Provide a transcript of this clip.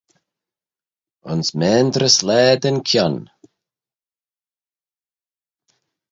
Ayns maynrys laa dyn kione.